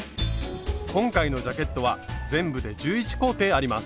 今回のジャケットは全部で１１工程あります。